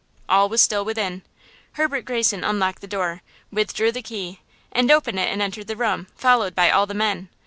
All was still within. Herbert Greyson unlocked the door, withdrew the key, and opened it and entered the room, followed by all the men.